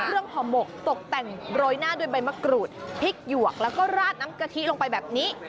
ห่อหมกตกแต่งโรยหน้าด้วยใบมะกรูดพริกหยวกแล้วก็ราดน้ำกะทิลงไปแบบนี้